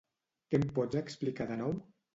Què em pots explicar de nou?